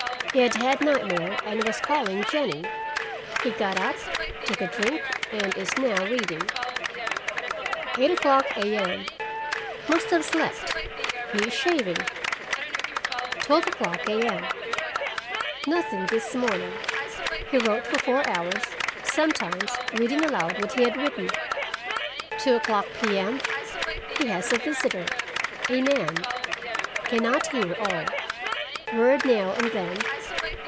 He had had nightmare and was calling "Jennie!" He got up, took a drink, and is now reading. 8:00 A.M. Must have slept. He is shaving. 12:00 M. Nothing this morning. He wrote for four hours, sometimes reading aloud what he had written. 2:00 P.M. He has a visitor, a man. Can not hear all word now and then.